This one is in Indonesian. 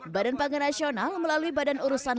badan pangan nasional melalui badan urusan